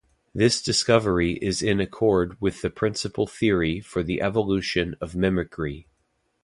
This discovery is in accord with the principal theory for the evolution of mimicry.